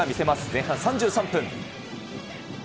前半３３分。